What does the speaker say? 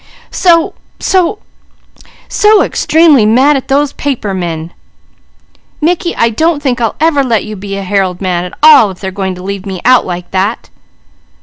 " so so so estremely mad at those paper men! Mickey, I don't think I'll ever let you be a Herald man at all if they're going to leave me out like that!"